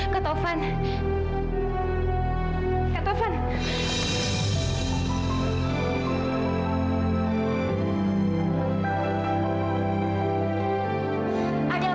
kak tovan tolong lepasin tangan mila kak